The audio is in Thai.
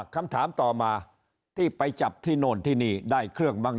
คำถามต่อมาที่ไปจับที่โน่นที่นี่ได้เครื่องบ้าง